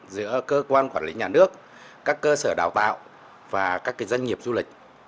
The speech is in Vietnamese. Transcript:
giữa cơ quan quản lý nhà nước các cơ sở đào tạo và các doanh nghiệp du lịch